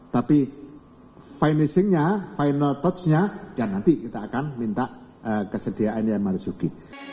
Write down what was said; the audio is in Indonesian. tapi finishing nya final touch nya ya nanti kita akan minta kesediaan kiai marzuki